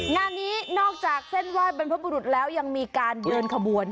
งานนี้นอกจากเส้นไหว้บรรพบุรุษแล้วยังมีการเดินขบวน